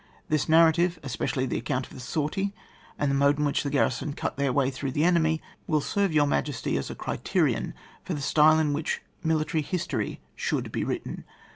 This narrative, especially the accoimt of the sortie, and the mode in which the garrison cut their way through liie enemy, will serve Your Boyal Highness as a criterion for the style in which military history should be written.